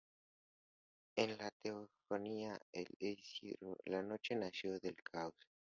En la "Teogonía" de Hesíodo, la Noche nació del Caos.